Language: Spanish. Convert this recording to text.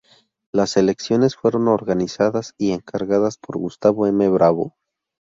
Las elecciones fueron organizadas y encargadas por Gustavo M. Bravo.